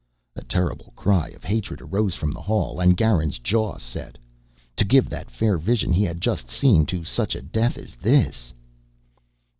A terrible cry of hatred arose from the hall, and Garin's jaw set. To give that fair vision he had just seen to such a death as this